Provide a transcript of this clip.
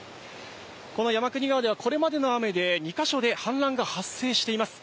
この山国川では、これまでの雨で、２か所で氾濫が発生しています。